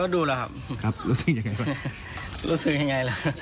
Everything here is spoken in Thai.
รู้สึกยังไงละ